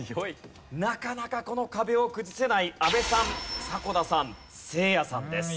なかなかこの壁を崩せない阿部さん迫田さんせいやさんです。